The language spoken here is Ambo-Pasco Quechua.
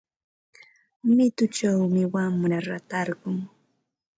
Mituchawmi wamra ratarqun.